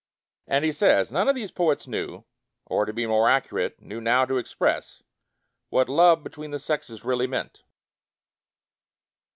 And he says: "None of these poets knew, or to be more accurate, knew now to ex press, what love between the sexes really meant."